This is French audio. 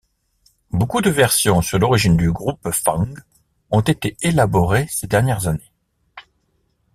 Beaucoup de versions sur l'origine du groupe fang ont été élaborées ces dernières années.